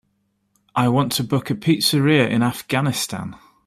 I want to book a pizzeria in Afghanistan.